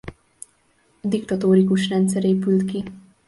Diktatórikus rendszer épült ki.